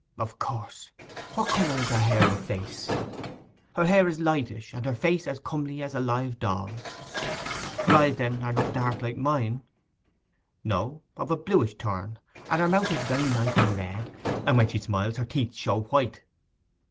'Of course. What colour is her hair and face?' 'Her hair is lightish, and her face as comely as a live doll's.' 'Her eyes, then, are not dark like mine?' 'No—of a bluish turn, and her mouth is very nice and red; and when she smiles, her teeth show white.